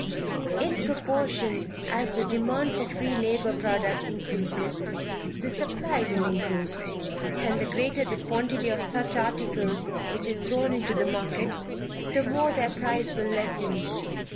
In proportion as the demand for free labor products increases, the supply will increase, and the greater the quantity of such articles which is thrown into the market, the more their price will lessen.